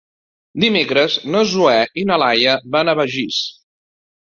Dimecres na Zoè i na Laia van a Begís.